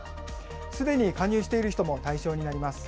すでに加入している人も対象になります。